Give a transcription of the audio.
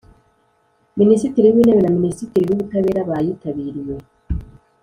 Minisitiri w’Intebe na Minisitiri w’Ubutabera bayitabiriye